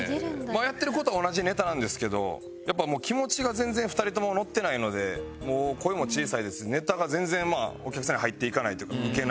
やってる事は同じネタなんですけど気持ちが全然２人ともノッてないのでもう声も小さいですしネタが全然お客さんに入っていかないというかいけない。